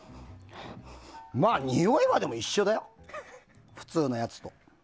においは一緒だよ普通のやつと。